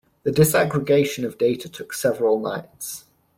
The disaggregation of data took several nights.